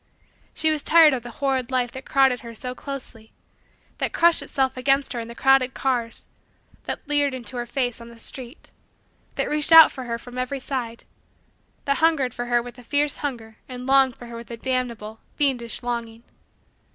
She was tired of the horrid life that crowded her so closely that crushed itself against her in the crowded cars that leered into her face on the street that reached out for her from every side that hungered for her with a fierce hunger and longed for her with a damnable, fiendish, longing.